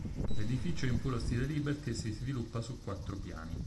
L'edificio è in puro stile liberty e si sviluppa su quattro piani.